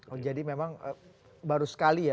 oh jadi memang baru sekali ya